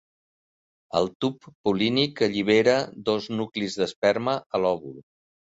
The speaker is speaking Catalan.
El tub pol·línic allibera dos nuclis d'esperma a l'òvul.